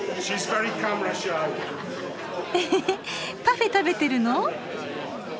うふふパフェ食べてるの？